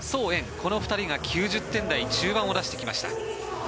この２人が９０点台中盤を出してきました。